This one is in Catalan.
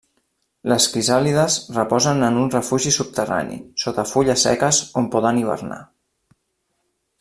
Les crisàlides reposen en un refugi subterrani, sota fulles seques on poden hibernar.